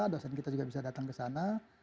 dosen kita juga bisa datang ke sana